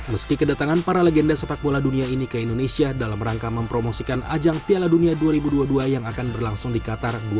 meski kedatangan para legenda sepak bola dunia ini ke indonesia dalam rangka mempromosikan ajang piala dunia dua ribu dua puluh dua yang akan berlangsung di qatar dua ribu dua puluh